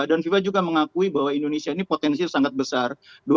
dan fifa juga mengakui bahwa indonesia ini potensi sangat besar